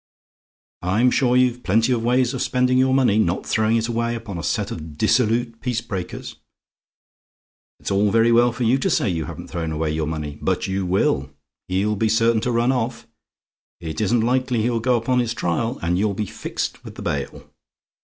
"I'm sure you've plenty of ways of spending your money not throwing it away upon a set of dissolute peace breakers. It's all very well for you to say you haven't thrown away your money, but you will. He'll be certain to run off; it isn't likely he'll go upon his trial, and you'll be fixed with the bail.